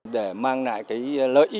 để mang lại lợi ích cho hội nghị